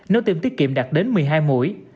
nếu tiêm tiết kiệm đạt đến một mươi hai mũi